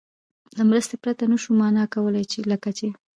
له مرستې پرته نه شو مانا کولای، لکه چې